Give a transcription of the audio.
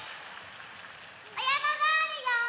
おやまがあるよ！